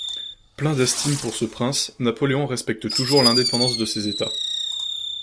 Plein d'estime pour ce prince, Napoléon respecte toujours l'indépendance de ses états.